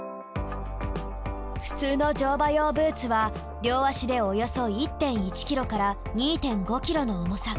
普通の乗馬用ブーツは両足でおよそ１．１ｋｇから２．５ｋｇの重さ。